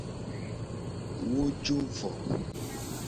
Wo jo vo.